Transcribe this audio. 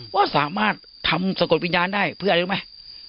ว่าสามารถทำสะกดวิญญาณได้เพื่ออะไรรู้ไหม